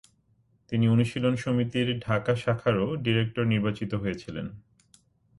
তিনি অনুশীলন সমিতির ঢাকা শাখারও ডিরেক্টর নির্বাচিত হয়েছিলেন।